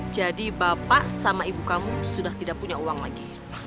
jadi bapak sama ibu kamu sudah tidak punya uang lagi